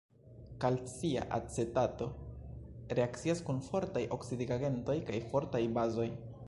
Kalcia acetato reakcias kun fortaj oksidigagentoj kaj fortaj bazoj.